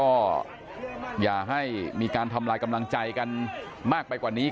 เอาให้เป็นการทำลายกำลังจายของต่าง